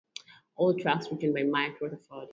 All tracks written by Mike Rutherford.